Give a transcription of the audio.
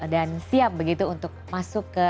dan siap begitu untuk masuk ke